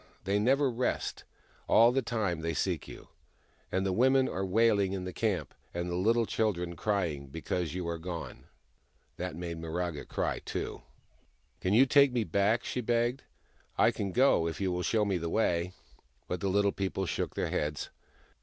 They never rest — all the time they seek you. And the women are wailing in the camp, and the little children crying, because you are gone." That made Miraga cry, too. " Can you not take me back ?" she begged. " I can go if you will show me the way." But the Little People shook their heads.